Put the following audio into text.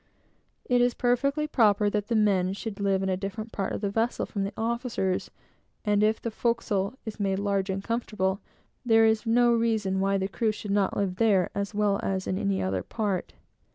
It is perfectly proper that the men should live in a different part of the vessel from the officers; and if the forecastle is made large and comfortable, there is no reason why the crew should not live there as well as in any other part.